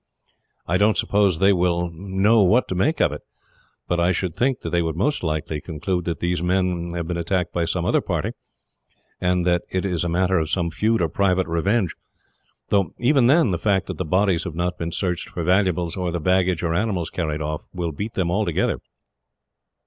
I don't suppose they will know what to make of it, but I should think they would most likely conclude that these men have been attacked by some other party, and that it is a matter of some feud or private revenge though, even then, the fact that the bodies have not been searched for valuables, or the baggage or animals carried off, will beat them altogether."